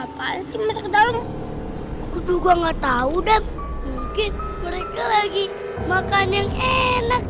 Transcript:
hai bertengah pasir masak dalam juga enggak tahu dan mungkin mereka lagi makan yang enak